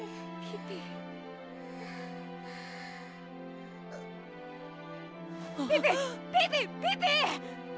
ピピピピ！